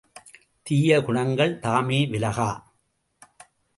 தீய குணங்கள் தாமே விலகா.